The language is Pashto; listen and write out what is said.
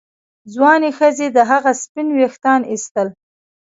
ځوانې ښځې د هغه سپین ویښتان ایستل.